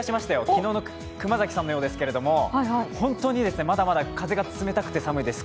昨日の熊崎さんのようですけど、本当にまだまだ風が冷たくて寒いです。